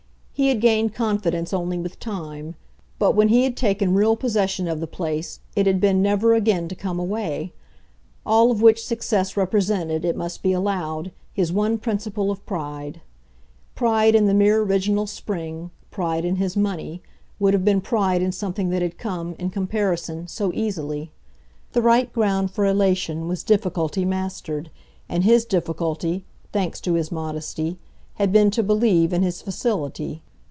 He had gained confidence only with time, but when he had taken real possession of the place it had been never again to come away. All of which success represented, it must be allowed, his one principle of pride. Pride in the mere original spring, pride in his money, would have been pride in something that had come, in comparison, so easily. The right ground for elation was difficulty mastered, and his difficulty thanks to his modesty had been to believe in his facility.